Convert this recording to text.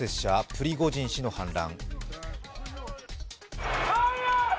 プリゴジン氏の反乱。